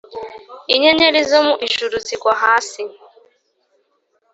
inyenyeri zo mu ijuru zigwa hasi,